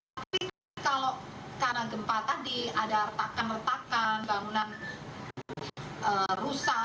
tapi kalau karena gempa tadi ada retakan retakan bangunan rusak